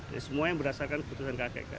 dan semua yang berdasarkan keputusan kpk